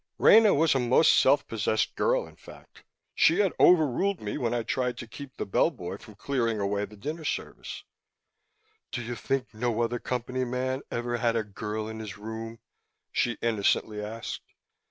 Rena was a most self possessed girl, in fact. She had overruled me when I tried to keep the bellboy from clearing away the dinner service. "Do you think no other Company man ever had a girl in his room?" she innocently asked.